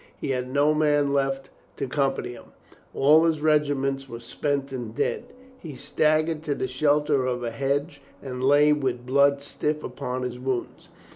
He had no man left to company him. All his regiment were spent and dead. He staggered to the shelter of a hedge and lay with the blood stiff upon his wounds.